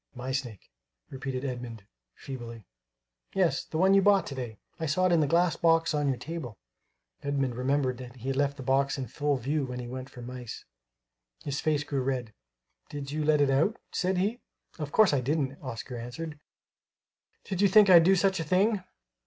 "My snake," repeated Edmund, feebly. "Yes; the one you bought to day. I saw it in the glass box on your table." Edmund remembered that he had left the box in full view when he went for mice. His face grew red. "Did you let it out?" said he. "Of course I didn't," Oscar answered. "Did you think I'd do such a thing?